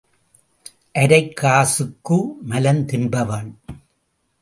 அரைக் காசுக்கு மலம் தின்பவன்.